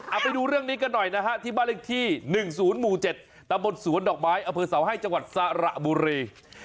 เอาไปดูเรื่องนี้กันหน่อยนะฮะที่บ้านเลขที่๑๐หมู่๗ตำบลสวนดอกไม้อเภเสาให้จังหวัดสระบุรี